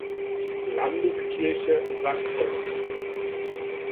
Landeskirche Sachsens.